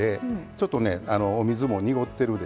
ちょっとねお水も濁ってるでしょ。